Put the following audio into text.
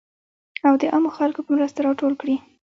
او د عامو خلکو په مرسته راټول کړي .